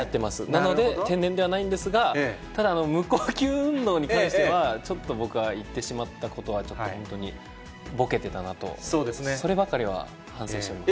なので、天然ではないんですが、ただ、無呼吸運動に関しては、ちょっと僕は言ってしまったことはちょっと本当に、ぼけてたなと、そればかりは反省しております。